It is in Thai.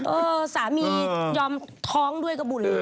เออสามียอมท้องด้วยก็บุญ